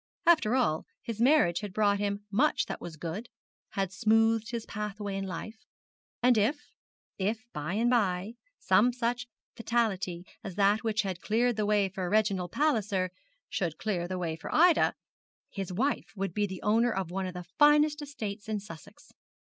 After all, his marriage had brought him much that was good had smoothed his pathway in life; and if if, by and by, some such fatality as that which had cleared the way for Reginald Palliser, should clear the way for Ida, his wife would be the owner of one of the finest estates in Sussex.